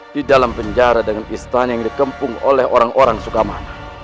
di dalam penjara dengan istana yang dikempung oleh orang orang sukamana